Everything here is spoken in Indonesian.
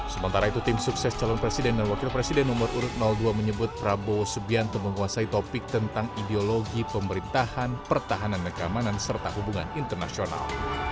sementara itu tim sukses calon presiden dan wakil presiden nomor urut dua menyebut prabowo subianto menguasai topik tentang ideologi pemerintahan pertahanan dan keamanan serta hubungan internasional